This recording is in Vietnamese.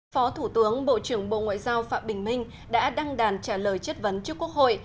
phó thủ tướng bộ trưởng bộ ngoại giao phạm bình minh đã đăng đàn trả lời chất vấn trước quốc hội